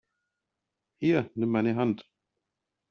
Hier, nimm meine Hand!